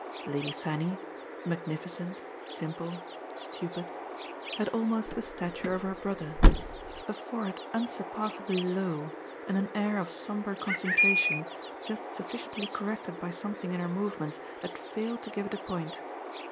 Lady Fanny, magnificent, simple, stupid, had almost the stature of her brother, a forehead unsurpassably low and an air of sombre concentration just sufficiently corrected by something in her movements that failed to give it a point.